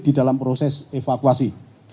di dalam proses evakuasi